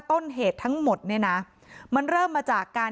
แต่พอเห็นว่าเหตุการณ์มันเริ่มเข้าไปห้ามทั้งคู่ให้แยกออกจากกัน